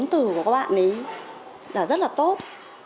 vốn tử của các bạn ấy là rất là tốt